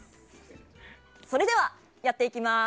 それでは、やっていきます。